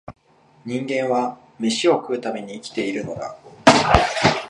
人間は、めしを食うために生きているのだ